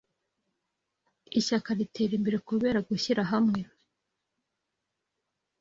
Ishyaka ritera imbere kubera gushyira hamwe